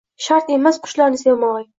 shart emas, qushlarni sevmogʼing